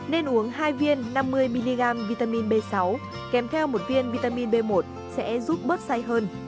nên uống hai viên năm mươi mg vitamin b sáu kèm theo một viên vitamin b một sẽ giúp bớt xay hơn